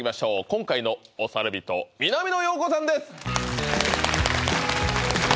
今回の推され人南野陽子さんです